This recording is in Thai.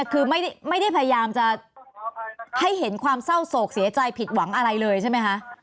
คือไม่ได้พยายามจะให้เห็นความเศร้าโศกเสียใจผิดหวังอะไรเลยใช่ไหมคะ